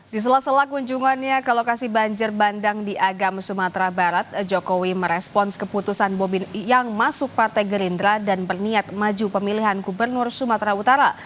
di sela sela kunjungannya ke lokasi banjir bandang di agam sumatera barat jokowi merespons keputusan bobin yang masuk partai gerindra dan berniat maju pemilihan gubernur sumatera utara